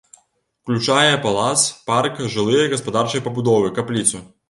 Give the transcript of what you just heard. Уключае палац, парк, жылыя і гаспадарчыя пабудовы, капліцу.